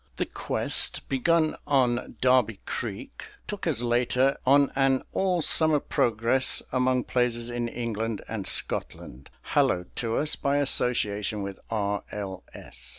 The quest begun on Darby Creek took us later on an all summer progress among places in England and Scotland hallowed to us by association with R. L. S.